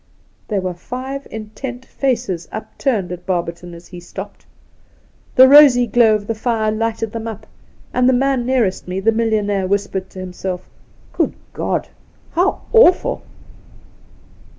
There were five intent faces upturned at Bar berton as he stopped. The rosy glow of the fire lighted them up, and the man nearest me— the millionaire — whispered to himself, ' Good God ! how awful